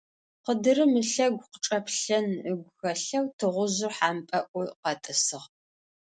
Къыдырым ылъэгу къычӀэплъэн ыгу хэлъэу тыгъужъыр хьампӀэӏоу къэтӀысыгъ.